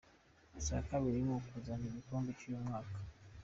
Icya kabiri ni ukuzana igikombe cy’uyu mwaka.